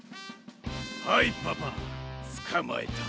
はいパパつかまえた。